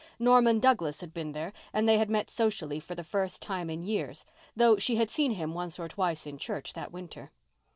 Norman Douglas had been there and they had met socially for the first time in years, though she had seen him once or twice in church that winter.